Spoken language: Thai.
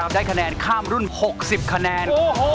ได้คะแนนข้ามรุ่น๖๐คะแนน